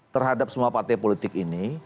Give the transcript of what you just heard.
terhadap semua partai politik ini